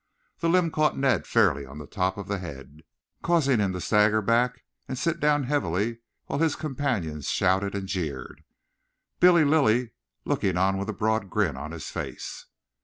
The limb caught Ned fairly on top of the head, causing him to stagger back and sit down heavily, while his companions shouted and jeered, Billy Lilly looking on with a broad grin on his face.